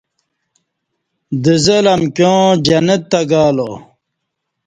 دزلہ امکیاں جنت تہ گالا